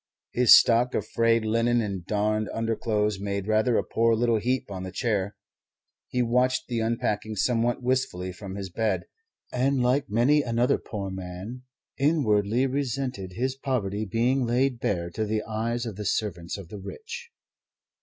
His stock of frayed linen and darned underclothes made rather a poor little heap on the chair. He watched the unpacking somewhat wistfully from his bed; and, like many another poor man, inwardly resented his poverty being laid bare to the eyes of the servants of the rich.